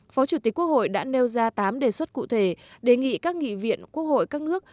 phó chủ tịch quốc hội đã nêu ra tám đề xuất cụ thể đề nghị các nghị viện quốc hội các nước